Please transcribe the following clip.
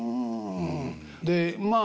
でまあ